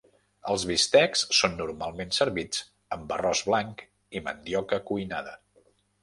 Els bistecs són normalment servits amb arròs blanc i mandioca cuinada.